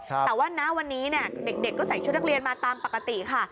แต่ว่าณวันนี้เด็กก็ใส่ชุดนักเรียนมาตามปกติค่ะ